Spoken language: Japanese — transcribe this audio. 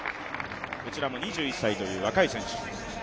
こちらも２１歳という若い選手。